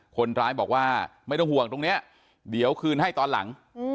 คนร้ายบอกว่าไม่ต้องห่วงตรงนี้เดี๋ยวคืนให้ตอนหลัง